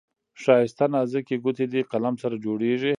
ښايسته نازكي ګوتې دې قلم سره جوړیږي.